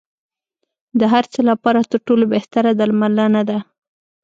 د هر څه لپاره تر ټولو بهتره درملنه ده.